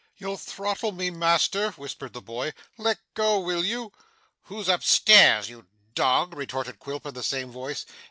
'You'll throttle me, master,' whispered the boy. 'Let go, will you.' 'Who's up stairs, you dog?' retorted Quilp in the same tone.